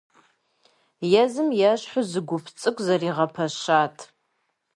Езым ещхьу зы гуп цӀыкӀу зэригъэпэщат.